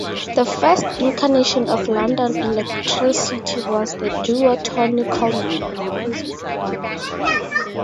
The first incarnation of London Elektricity was the duo Tony Colman and Chris Goss.